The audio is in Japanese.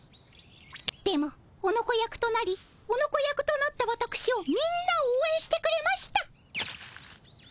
でもオノコ役となりオノコ役となったわたくしをみんなおうえんしてくれました。